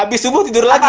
abis subuh tidur lagi